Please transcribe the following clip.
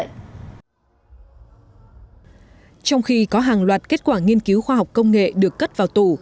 trong khi có hàng loạt kết quả nghiên cứu khoa học công nghệ được cất vào tù